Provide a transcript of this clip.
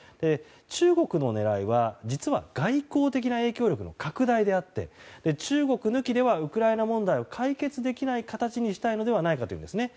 中国の狙いは実は外交的な影響力の拡大であって中国抜きではウクライナ問題を解決できない形にしたいのではないかというんですね。